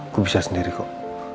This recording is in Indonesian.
gue bisa sendiri kok